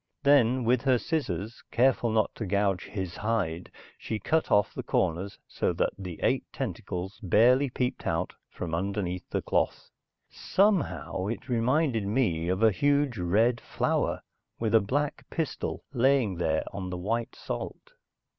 Then with her scissors, careful not to gouge his hide, she cut off the corners so that the eight tentacles barely peeped out from underneath the cloth. Somehow, it reminded me of a huge red flower with a black pistil laying there on the white salt.